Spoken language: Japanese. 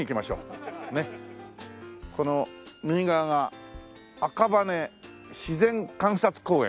この右側が赤羽自然観察公園。